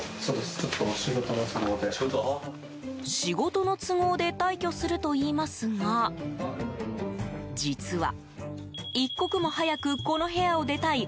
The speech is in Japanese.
仕事の都合で退居するといいますが実は、一刻も早くこの部屋を出たい